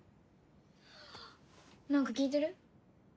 なんか聞いてる？